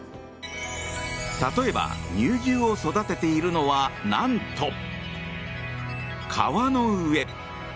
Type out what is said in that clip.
例えば、乳牛を育てているのはなんと、川の上。